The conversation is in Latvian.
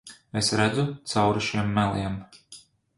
Es redzu cauri šiem meliem.